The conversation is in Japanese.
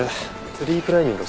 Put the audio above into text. ツリークライミング？